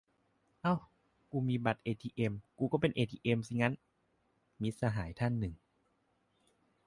"อ้าว กูมีบัตรเอทีเอ็มกูก็เป็นเอทีเอ็มสิงั้น ?" - มิตรสหายอีกท่านหนึ่ง